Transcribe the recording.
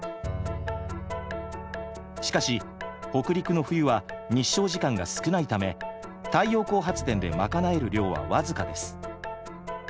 しかし北陸の冬は日照時間が少ないため太陽光発電でまかなえる量は僅かです。